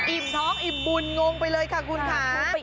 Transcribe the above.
ท้องอิ่มบุญงงไปเลยค่ะคุณค่ะ